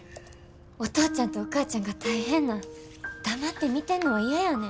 お父ちゃんとお母ちゃんが大変なん黙って見てんのは嫌やねん。